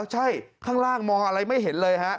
ใช่ข้างล่างมองอะไรไม่เห็นเลยฮะ